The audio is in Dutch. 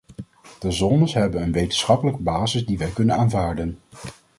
De zones hebben een wetenschappelijke basis die wij kunnen aanvaarden.